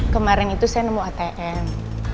kemarin itu saya nemu atm